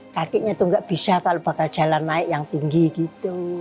kakinya itu nggak bisa kalau bakal jalan naik yang tinggi gitu